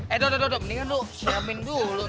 eh dodo mendingan duh siapin dulu